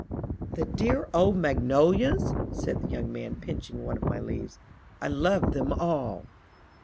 "The dear old magnolias!" says the young man, pinching one of my leaves. "I love them all."